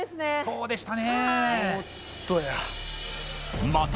そうでしたね